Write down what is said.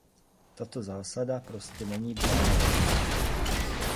Tato zásada prostě není brána vážně.